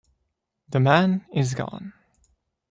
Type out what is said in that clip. The man is gone.